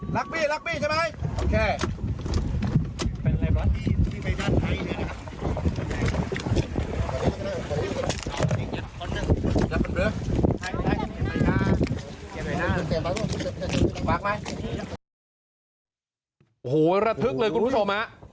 รัดทึกเลยคุณผู้ชม